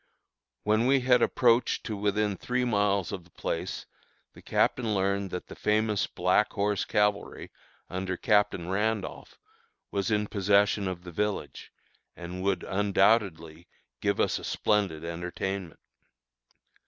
When we had approached to within three miles of the place the Captain learned that the famous Black Horse Cavalry, under Captain Randolph, was in possession of the village, and would undoubtedly give us a splendid entertainment.